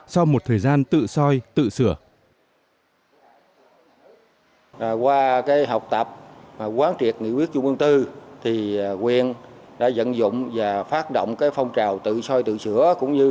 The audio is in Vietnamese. sau một thời gian tự soi tự sửa